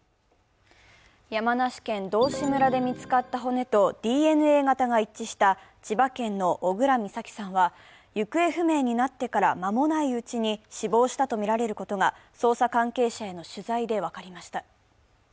山梨県道志村で見つかった骨とＤＮＡ型が一致した千葉県の小倉美咲さんは行方不明になってから間もないうちに死亡したとみられることが捜査関係者への取材で分かりました。